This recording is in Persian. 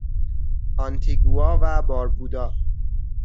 آنتیگوا و باربودا